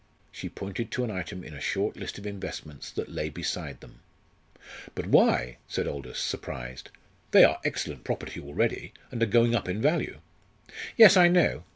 She pointed to an item in a short list of investments that lay beside them. "But why?" said Aldous, surprised. "They are excellent property already, and are going up in value." "Yes, I know.